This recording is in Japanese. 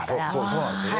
そうなんですよね。